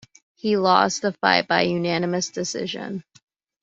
He lost the fight by unanimous decision.